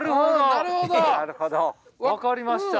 分かりました？